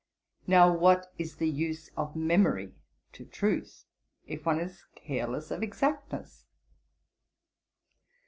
Now what is the use of the memory to truth, if one is careless of exactness?